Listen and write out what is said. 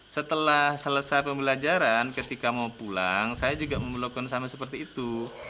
setelah selesai pembelajaran ketika mau pulang saya juga melakukan sama seperti itu